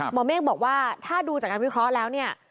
เมฆบอกว่าถ้าดูจากการวิเคราะห์แล้วเนี่ย